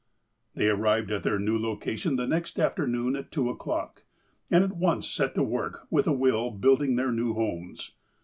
Tbey arrived at their uew location the next afternoon at two o'clock, and at once set to work with a will build ing their new homes.